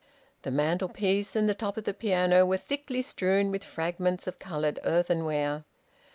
The mantelpiece and the top of the piano were thickly strewn with fragments of coloured earthenware.